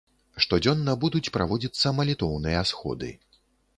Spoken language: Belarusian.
Штодзённа будуць праводзіцца малітоўныя сходы.